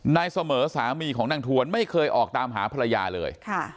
นายเสมอสามีของนางทวนไม่เคยออกตามหาภรรยาเลย